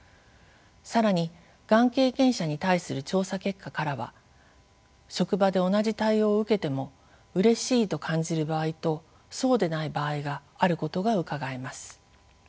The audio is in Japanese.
更にがん経験者に対する調査結果からは職場で同じ対応を受けてもうれしいと感じる場合とそうでない場合があることがうかがえます。